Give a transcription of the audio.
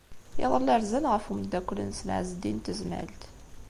Iḍelli, rzan ɣef umeddakel-nsen Ɛezdin n Tezmalt.